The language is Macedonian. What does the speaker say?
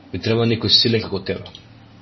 Ми треба некој силен како тебе.